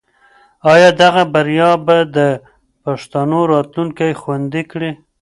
آیا دغه بریا به د پښتنو راتلونکی خوندي کړي؟